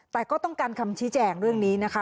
แต่ก็ต้องการคำชี้แจงเรื่องนี้นะคะ